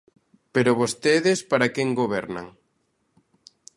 Pero ¿vostedes para quen gobernan?